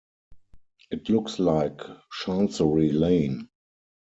It looks like Chancery Lane.